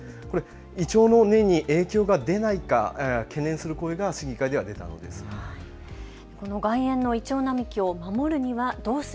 イチョウの根に影響が出ないか懸念する声が審議会では出たんです。